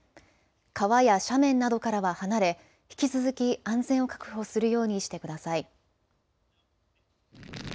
川や斜面などからは離れ引き続き安全を確保するようにしてください。